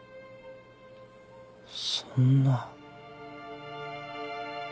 そんな。